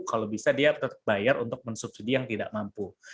kalau bisa dia bayar untuk mensubsidi yang tidak mampu